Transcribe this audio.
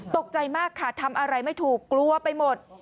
ตกใจมากค่ะทำอะไรไม่ถูกกลัวไปหมด